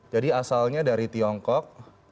jadi asalnya dari tiongkok